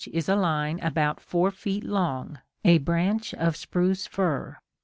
] h is a line about four feet long, a branch of spruce fir.